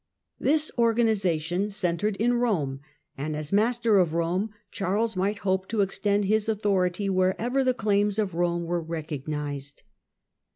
This organisation centred in Rome, and as master of Rome Charles might hope to extend his authority wherever the claims of Rome were recognised.